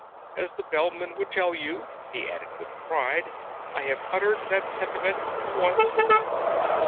"As the Bellman would tell you," he added with pride, "I have uttered that sentiment once.